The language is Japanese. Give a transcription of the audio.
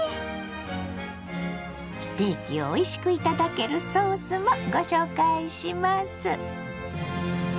ステーキをおいしく頂けるソースもご紹介します。